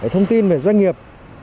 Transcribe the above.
thông tin về doanh nghiệp